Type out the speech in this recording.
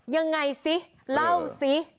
ยังไงสิเล่าสิ